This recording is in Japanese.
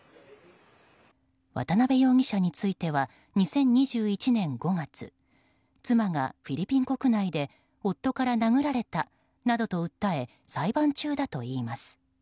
渡辺容疑者については２０２１年５月妻がフィリピン国内で夫から殴られたなどと訴え裁判中だといいます。